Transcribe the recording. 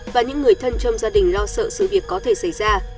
và những người thân trong gia đình lo sợ sự việc có thể xảy ra